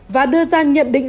và đưa ra nhận định về nạn nhân